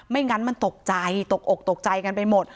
งั้นมันตกใจตกอกตกใจกันไปหมด